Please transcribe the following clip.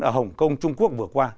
ở hồng kông trung quốc vừa qua